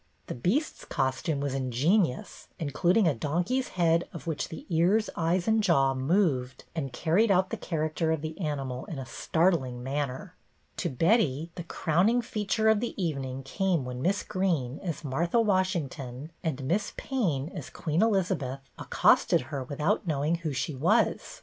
The Beast's costume was ingenious, including a donkey's head of which the ears, eyes, and jaw moved and carried out the character of the animal in a startling manner. To Betty, the crowning feature of the evening came when Miss Greene as Martha Washington, and Miss Payne as Queen Elizabeth, accosted her without knowing who she was.